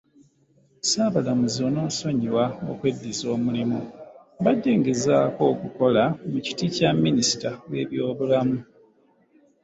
Ssaabalamuzi onoonsonyiwa okweddiza omulimu, mbadde ngezaako kukola mu kiti kya Minisita w’ebyobulamu.